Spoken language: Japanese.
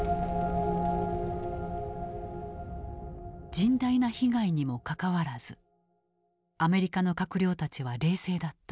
甚大な被害にもかかわらずアメリカの閣僚たちは冷静だった。